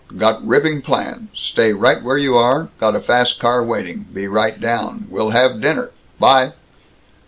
Got ripping plan. Stay right where you are. Got a fast car waiting. Be right down. We'll have dinner. By!"